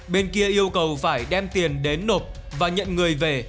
bên kia yêu cầu phải đem tiền đến nộp và nhận người về